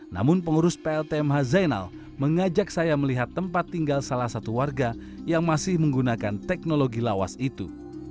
namun pengurus pltmh zainal mengajak saya melihat tempat tinggal salah satu warga yang masih menggunakan teknologi lawas itu